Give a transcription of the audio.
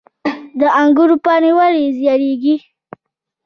د انګورو پاڼې ولې ژیړیږي؟